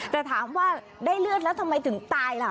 แต่ถามว่าได้เลือดแล้วทำไมถึงตายล่ะ